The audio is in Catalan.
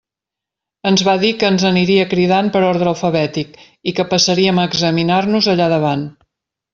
Ens va dir que ens aniria cridant per ordre alfabètic, i que passaríem a examinar-nos allà davant.